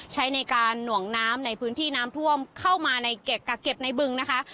ใช้ในการหน่วงน้ำในพื้นที่น้ำท่วมเข้ามาในกักเก็บในบึงนะคะ